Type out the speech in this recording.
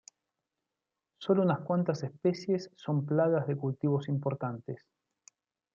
Sólo unas cuantas especies son plagas de cultivos importantes.